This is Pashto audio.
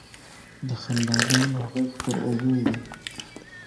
د خنداګانو، ږغ پر اوږو وړي